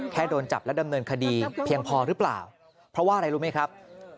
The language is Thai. โดนจับและดำเนินคดีเพียงพอหรือเปล่าเพราะว่าอะไรรู้ไหมครับ